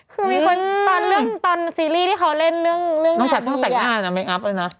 คือมีคนตอนเรื่องตอนซีรีส์ที่เขาเล่นเรื่องนอกจากช่างแต่งหน้านะไม่อัพเลยนะ